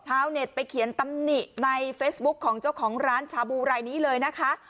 เน็ตไปเขียนตำหนิในเฟซบุ๊คของเจ้าของร้านชาบูรายนี้เลยนะคะ